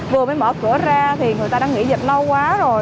vừa mới mở cửa ra thì người ta đã nghỉ dịch lâu quá rồi